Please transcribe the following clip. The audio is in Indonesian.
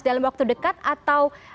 dalam waktu dekat atau